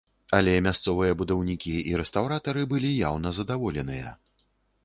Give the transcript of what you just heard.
Але мясцовыя будаўнікі і рэстаўратары былі яўна задаволеныя.